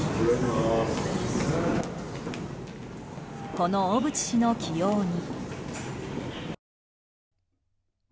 この小渕氏の起用に。